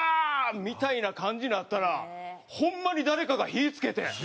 みたいな感じになったらホンマに誰かが火付けて。